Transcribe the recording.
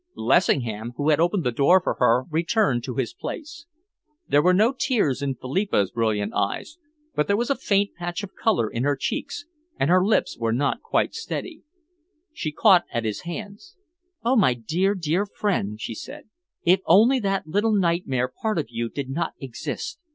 Lessingham, who had opened the door for her, returned to his place. There were no tears in Philippa's brilliant eyes, but there was a faint patch of colour in her cheeks, and her lips were not quite steady. She caught at his hands. "Oh, my dear, dear friend!" she said. "If only that little nightmare part of you did not exist.